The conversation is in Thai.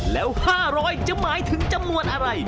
แล้ว๕๐๐จะหมายถึงจำนวนอะไร